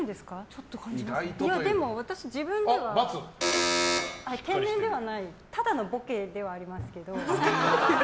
でも私、自分では天然ではないただのボケではありますけど。